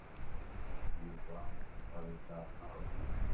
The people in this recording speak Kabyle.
Yuba yebɣa ad iẓer maɣef.